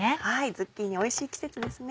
ズッキーニおいしい季節ですね。